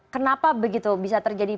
kenapa begitu bisa terjadi